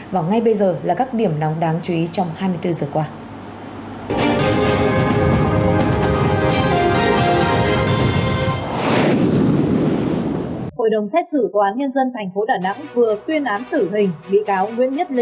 và ngay bây giờ là các điểm nóng đáng chú ý trong hai mươi bốn giờ qua